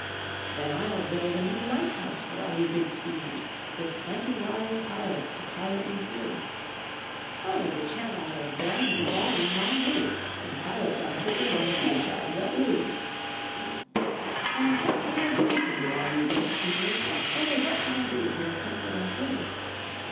"Then I'll build a new lighthouse for all you Big Steamers, With plenty wise pilots to pilot you through." "Oh, the Channel's as bright as a ball room already, And pilots are thicker than pilchards at Looe." "Then what can I do for you, all you Big Steamers, Oh, what can I do for your comfort and good?"